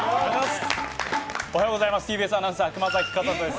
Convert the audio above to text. おはようございます。